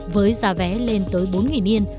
với giá vé lên tới bốn yen